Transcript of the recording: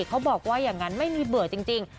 เขาบอกว่าอย่างนั้นไม่มีเบื่อจริง